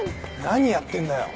何やってんだよ？